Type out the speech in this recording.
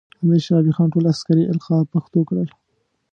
امیر شیر علی خان ټول عسکري القاب پښتو کړل.